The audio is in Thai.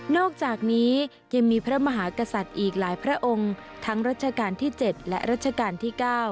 อกจากนี้ยังมีพระมหากษัตริย์อีกหลายพระองค์ทั้งรัชกาลที่๗และรัชกาลที่๙